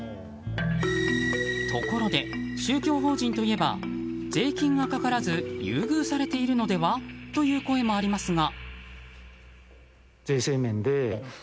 ところで、宗教法人といえば税金がかからず優遇されているのでは？という声もありますが。